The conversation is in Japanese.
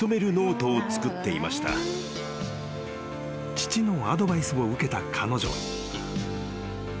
［父のアドバイスを受けた彼女は］